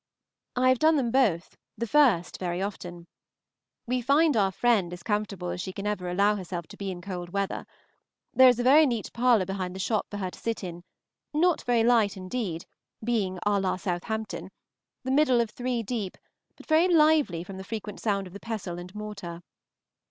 _ I have done them both, the first very often. We found our friend as comfortable as she can ever allow herself to be in cold weather. There is a very neat parlor behind the shop for her to sit in, not very light indeed, being à la Southampton, the middle of three deep, but very lively from the frequent sound of the pestle and mortar.